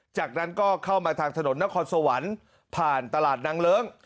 จากนั้นก็เข้ามาทางถนนนครสวรรค์ผ่านตลาดนางเลิ้ง